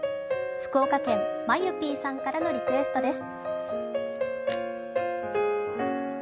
福岡県、まゆぴいさんからのリクエストです。